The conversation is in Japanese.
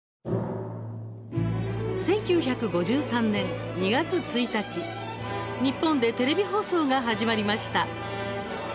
１９５３年２月１日日本でテレビ放送が始まりました。